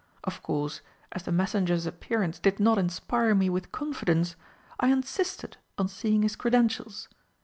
Of course, as the messenger's appearance did not inspire me with confidence, I insisted on seeing his credentials.